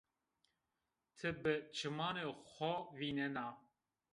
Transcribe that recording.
Ti bi çimanê xo vînena